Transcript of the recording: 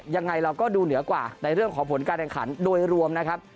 ยังไงเราก็ดูเหนือกว่าในเรื่องของผลการแข่งขันโดยรวมนะครับ